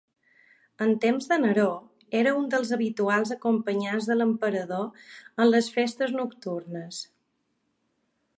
En temps de Neró era un dels habituals acompanyants de l'emperador en les festes nocturnes.